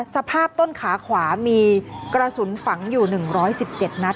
สภาพต้นขาขวามีกระสุนฝังอยู่๑๑๗นัด